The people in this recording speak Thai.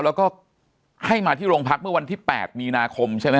แล้วก็ให้มาที่โรงพักเมื่อวันที่๘มีนาคมใช่ไหม